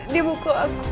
dia mukul aku